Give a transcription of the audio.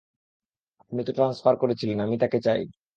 আপনি তো ট্রান্সফার করেছিলেন আমি তাকে চাই।